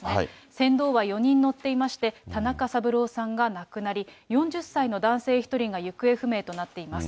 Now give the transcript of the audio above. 船頭は４人乗っていまして、田中三郎さんが亡くなり、４０歳の男性１人が行方不明となっています。